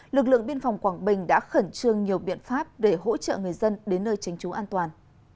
lực lượng biên phòng quảng bình đã khẩn trương nhiều biện pháp để hỗ trợ người dân đến nơi tránh trú an toàn